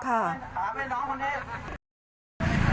ถามให้น้องคนนี้